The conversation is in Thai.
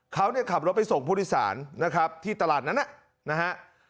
เขาเนี่ยขับรถไปส่งพฤษศาลนะครับที่ตลาดนั้นนะ